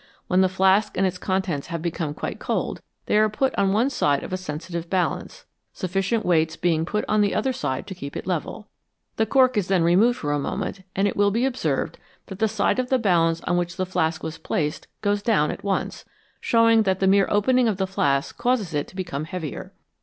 When the flask and its contents have become quite cold, they are put on one side of a sensitive balance, sufficient weights being put on the other side to keep it level. The cork is then removed for a moment, and it will be observed that the side of the balance on which the flask was placed goes down at once, showing that the mere opening of the flask causes it to become heavier.